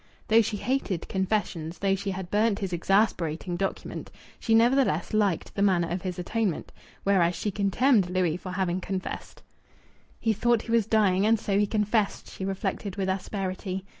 Though she hated confessions, though she had burnt his exasperating document, she nevertheless liked the manner of his atonement. Whereas she contemned Louis for having confessed. "He thought he was dying and so he confessed!" she reflected with asperity.